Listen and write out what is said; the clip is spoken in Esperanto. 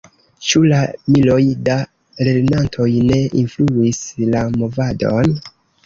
Ĉu la miloj da lernantoj ne influis la movadon?